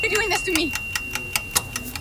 چي شرنګی یې وو په ټوله محله کي `